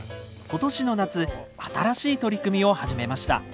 今年の夏新しい取り組みを始めました。